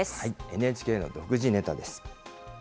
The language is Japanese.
ＮＨＫの独自ネタです。